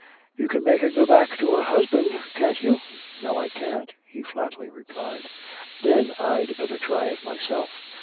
"You can make her go back to her husband, can't you?" "No, I can't," he flatly replied. "Then I'd better try it myself!"